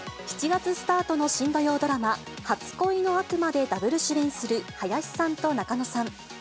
７月スタートの新土曜ドラマ、初恋の悪魔でダブル主演する林さんと仲野さん。